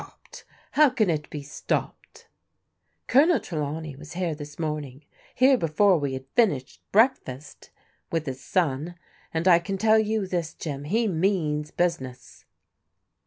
"Stopped! How can it be stopped?" " Colonel Trelawney was here this morning, here be fore we had fini^ed breakfast, with his son, and I can tell you this, Jim, he means business."